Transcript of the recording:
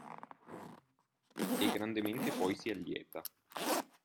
E grandemente poi si allieta.